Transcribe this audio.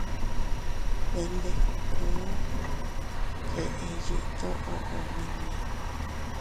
Bee ndikku keʼe yiʼi toʼo omiña.